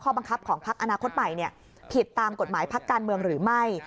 บังคับของพักอนาคตใหม่ผิดตามกฎหมายพักการเมืองหรือไม่